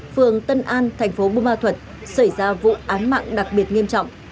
phường tân an thành phố bù ma thuật xảy ra vụ án mạng đặc biệt nghiêm trọng